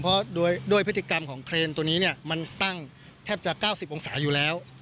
เพราะด้วยพฤติกรรมของเครนตัวนี้มันตั้งแทบจะ๙๐องศาอยู่แล้ว